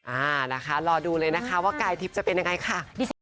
อ่านะคะรอดูเลยนะคะว่ากายทิพย์จะเป็นยังไงค่ะ